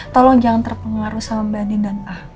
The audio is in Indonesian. tolong jangan terpengaruh sama mbak adin dan a